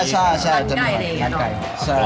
สันไก่อะไรอย่างน้อย